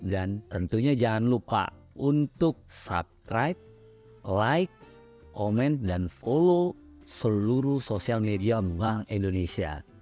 dan tentunya jangan lupa untuk subscribe like comment dan follow seluruh sosial media bank indonesia